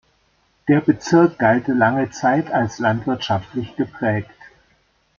Der Bezirk galt lange Zeit als landwirtschaftlich geprägt.